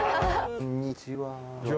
こんちは。